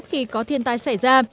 khi có thiên tai xảy ra